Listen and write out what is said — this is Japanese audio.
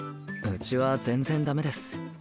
うちは全然駄目です。